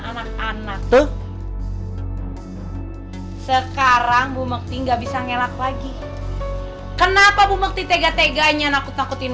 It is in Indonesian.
anak anak tuh sekarang bumukti nggak bisa ngelak lagi kenapa bumukti tega teganya nakut nakutin